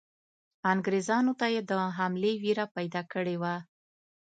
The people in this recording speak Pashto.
انګریزانو ته یې د حملې وېره پیدا کړې وه.